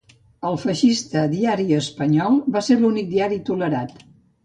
El feixista Diari Espanyol va ser l'únic diari tolerat.